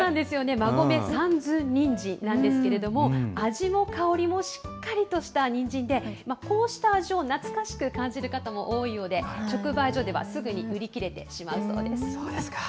馬込三寸人参なんですけれども、味も香りもしっかりとしたにんじんで、こうした味を懐かしく感じる方も多いので、直売所ではすぐに売り切れてしまうそうです。